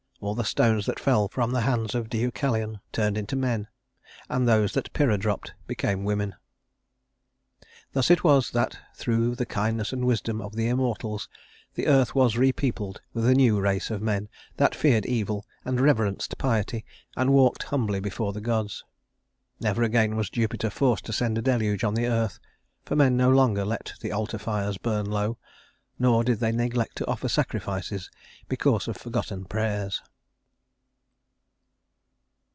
All the stones that fell from the hands of Deucalion turned into men, and those that Pyrrha dropped became women. Thus it was that through the kindness and wisdom of the immortals the earth was repeopled with a new race of men that feared evil, and reverenced piety, and walked humbly before the gods. Never again was Jupiter forced to send a deluge on the earth, for men no longer let the altar fires burn low, nor did they neglect to offer sacrifices because of forgotten prayers.